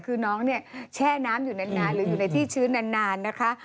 คือน้องเนี่ยแช่น้ำอยู่นานหรืออยู่ในที่ชื้นนานนะคะ